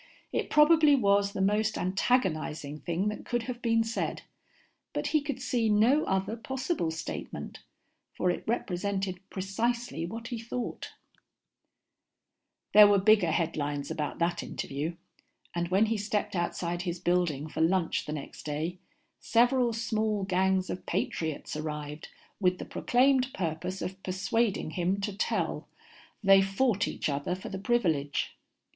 It probably was the most antagonizing thing that could have been said, but he could see no other possible statement, for it represented precisely what he thought. There were bigger headlines about that interview, and when he stepped outside his building for lunch the next day, several small gangs of patriots arrived with the proclaimed purpose of persuading him to tell. They fought each other for the privilege.